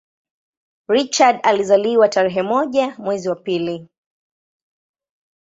Richard alizaliwa tarehe moja mwezi wa pili